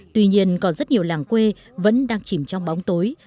tuy nhiên còn rất nhiều làng quê vẫn đang chìm trong bóng tối